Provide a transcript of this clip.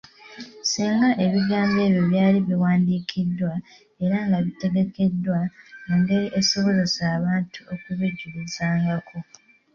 Singa ebigambo ebyo byali biwandiikiddwa era nga bitegekeddwa mu ngeri esobozesa abantu okubijulizangako.